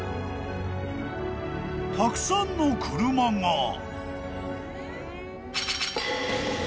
［たくさんの車が］